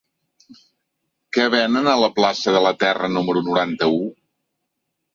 Què venen a la plaça de la Terra número noranta-u?